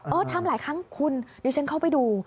ทำหลายครั้งคุณดิฉันเข้าไปดู